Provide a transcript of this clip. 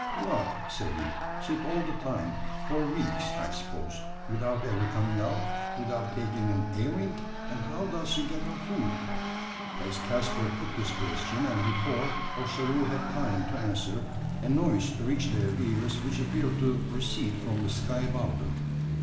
"What!" said he, "sit all the time for weeks, I suppose without ever coming out without taking an airing? And how does she get her food?" As Caspar put this question, and before Ossaroo had time to answer, a noise reached their ears which appeared to proceed from the sky above them.